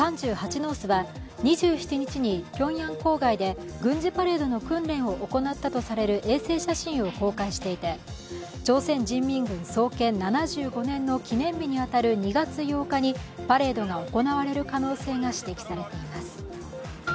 ノースは２７日にピョンヤン郊外で軍事パレードの訓練を行ったとされる衛星写真を公開していて、朝鮮人民軍創設７５年の記念日に当たる２月８日にパレードが行われる可能性が指摘されています。